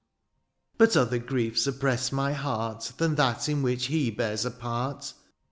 " But other griefs oppress my heart " Than that in which he bears a part.